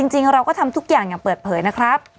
จริงเราก็ทำทุกอย่างอย่างเปิดเผยนะครับ